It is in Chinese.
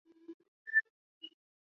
并任满洲翻译正考官。